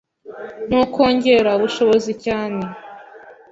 ni ukongera ubushobozi cyane